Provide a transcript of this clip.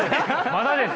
まだです。